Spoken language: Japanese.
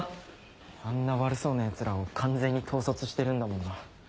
あんな悪そうなヤツらを完全に統率してるんだもんな。